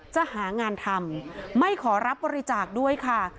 จะหางานทำไม่ขอรับบริจาคด้วยค่ะ